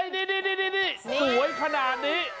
นี่สวยขนาดนี้